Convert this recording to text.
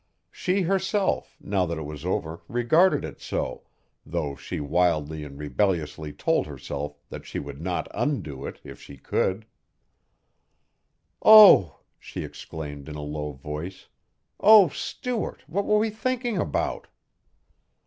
She herself, now that it was over, regarded it so, though she wildly and rebelliously told herself that she would not undo it, if she could. "Oh," she exclaimed in a low voice, "oh, Stuart, what were we thinking about!"